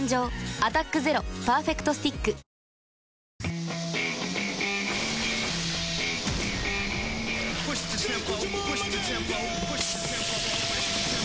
「アタックＺＥＲＯパーフェクトスティック」プシューッ！